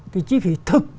cái chi phí thực